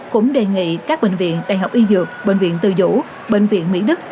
cũng đề nghị các bệnh viện đại học y dược bệnh viện từ dũ bệnh viện mỹ đức